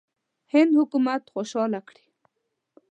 هند حکومت خوشاله کړي.